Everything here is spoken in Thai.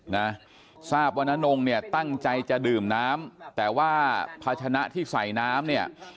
นะทราบว่าน้านงเนี่ยตั้งใจจะดื่มน้ำแต่ว่าภาชนะที่ใส่น้ำเนี่ย